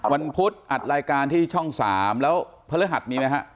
วันพุธอัดรายการที่ช่องสามแล้วพระรหัสมีไหมฮะ